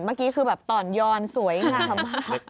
เมื่อกี้คือแบบต่อนยอนสวยงามมาก